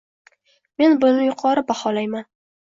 Men buni yuqori baholayman.